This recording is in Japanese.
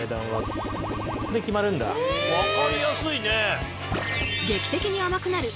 分かりやすいね。